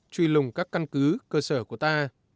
truy lùng các căn cứ cơ sở của ta